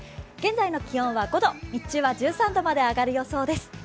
現在の気温は５度、日中は１３度まで上がる予想です。